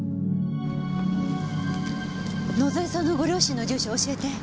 野添さんのご両親の住所教えて。